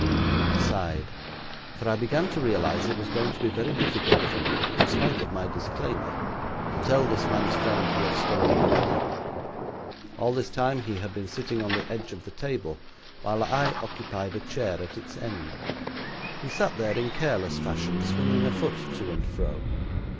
I sighed, for I began to realise it was going to be very difficult for me, in spite of my disclaimer, to tell this man's friend he had stolen the money. All this time he had been sitting on the edge of the table, while I occupied a chair at its end. He sat there in careless fashion, swinging a foot to and fro.